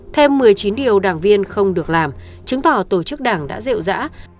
thêm một mươi chín điều đảng viên không được làm chứng tỏ tổ chức đảng đã dịu dã